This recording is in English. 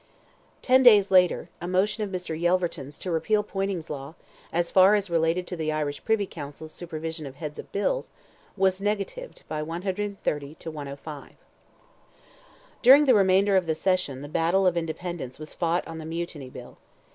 Ten days later, a motion of Mr. Yelverton's to repeal Poyning's law, as far as related to the Irish privy council's supervision of heads of bills, was negatived by 130 to 105. During the remainder of the session the battle of independence was fought on the Mutiny Bill.